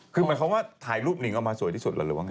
คือหมายความว่าผ่ายรูปหนิงเอามาสวยที่สุดอะไรไม่ใช่